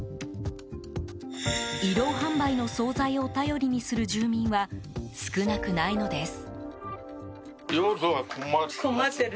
移動販売の総菜を頼りにする住民は少なくないのです。